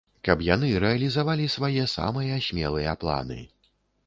Каб яны рэалізавалі свае самыя смелыя планы.